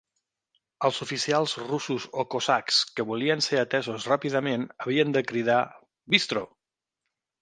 Els oficials russos o cosacs que volien ser atesos ràpidament havien de cridar "bystro".